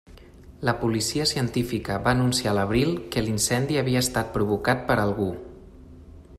La policia científica va anunciar a l'abril que l'incendi havia estat provocat per algú.